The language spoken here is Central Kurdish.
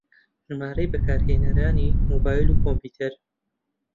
ژمارەی بەکارهێنەرانی مۆبایل و کۆمپیوتەر